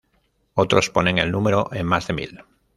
Otros ponen el número en más de mil.